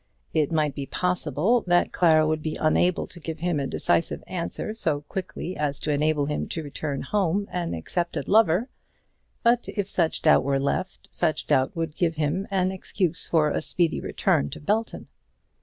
It might be possible that Clara would be unable to give him a decisive answer so quickly as to enable him to return home an accepted lover; but if such doubt were left, such doubt would give him an excuse for a speedy return to Belton.